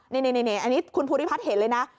นี่อันนี้คุณภูริพัฒน์เห็นเลยนะ